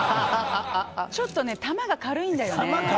ちょっと珠が軽いんだよね。